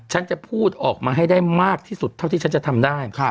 ฉันจะพูดออกมาให้ได้มากที่สุดเท่าที่ฉันจะทำได้